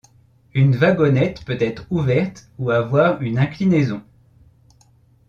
Une wagonette peut être ouvert ou avoir une inclinaison.